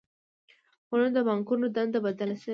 خو نن د بانکونو دنده بدله شوې ده